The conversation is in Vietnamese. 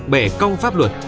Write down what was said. bẻ công pháp luật